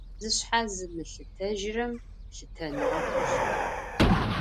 Zışshe zımılhıtejırem lhıtenığe xelhep.